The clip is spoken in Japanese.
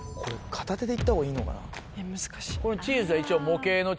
片手でいった方がいいのかな？